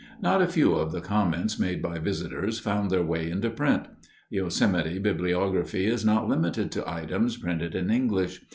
Not a few of the comments made by visitors found their way into print. Yosemite bibliography is not limited to items printed in English.